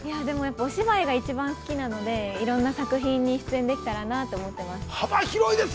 ◆お芝居が一番好きなのでいろんな作品に出演できたらなと思っています。